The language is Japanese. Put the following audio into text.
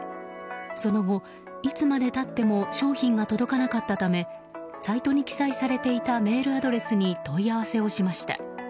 その後、いつまで経っても商品が届かなかったためサイトに記載されていたメールアドレスに問い合わせをしました。